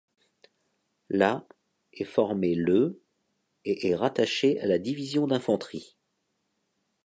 La est formée le et est rattachée à la division d'infanterie.